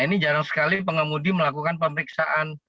ini jarang sekali pengemudi melakukan pemeriksaan